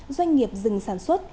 doanh nghiệp dừng sản xuất